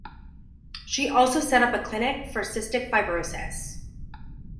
She also set up a clinic for cystic fibrosis.